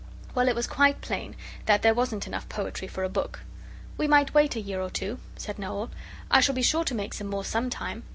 Well, it was quite plain that there wasn't enough poetry for a book. 'We might wait a year or two,' said Noel. 'I shall be sure to make some more some time.